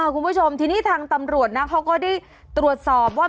คุณผู้ชมทีนี้ทางตำรวจนะเขาก็ได้ตรวจสอบว่า